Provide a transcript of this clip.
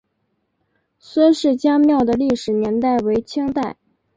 孙氏家庙的历史年代为清代。